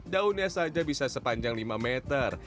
daunnya saja bisa sepanjang lima meter